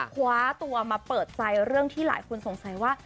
คว้าตัวมาเปิดใจเรื่องที่หลายคนสงสัยว่า